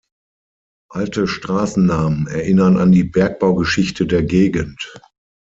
Alte Straßennamen erinnern an die Bergbaugeschichte der Gegend.